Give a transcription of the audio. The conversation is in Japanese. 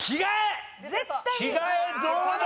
着替えどうだ？